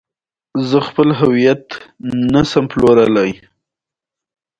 احمده! ولاړ شه؛ زړه مه دربوه.